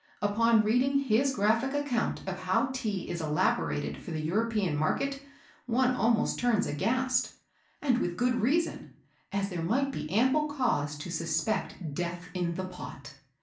Upon reading his graphic account of how Tea is elaborated for the European market, one almost turns aghast! And with good reason, as there might be ample cause to suspect "death in the pot."